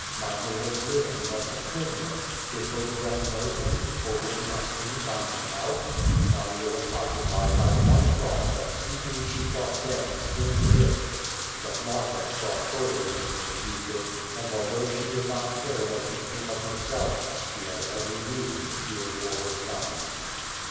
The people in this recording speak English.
Michael was living, but a prisoner. Did Ogareff know him, or would he not soon find him out? Nadia was occupied by the one thought that he whom she had thought dead still lived. But Marfa saw further into the future: and, although she did not care what became of herself, she had every reason to fear for her son.